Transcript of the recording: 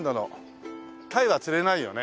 タイは釣れないよね